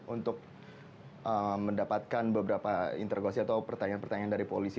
untuk mendapatkan beberapa intergolasi atau pertanyaan pertanyaan dari polisi